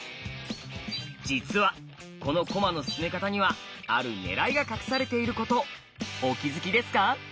実はこの駒の進め方にはある「狙い」が隠されていることお気付きですか？